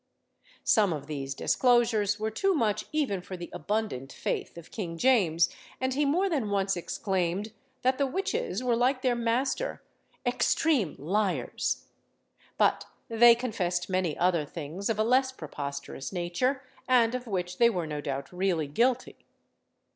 [Illustration: JAMES THE DEMONOLOGIST.] Some of these disclosures were too much even for the abundant faith of King James, and he more than once exclaimed, that the witches were like their master, "extreme lyars." But they confessed many other things of a less preposterous nature, and of which they were no doubt really guilty.